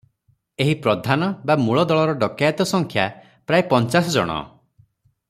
ଏହି ପ୍ରଧାନ ବା ମୂଳ ଦଳର ଡକାଏତ ସଂଖ୍ୟା ପ୍ରାୟ ପଞ୍ଚାଶ ଜଣ ।